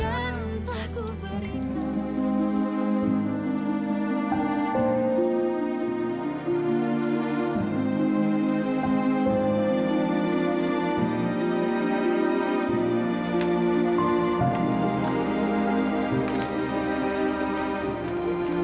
amin ya allah